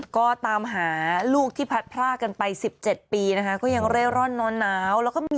ก็ตามหาลูกที่พลัดพลากันไป๑๗ปีนะครับ